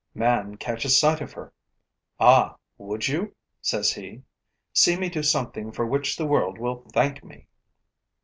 Man catches sight of her: 'Ah, would you?' says he. 'See me do something for which the world will thank me!'